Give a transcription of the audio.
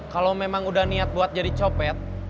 kalau memang udah niat buat jadi copet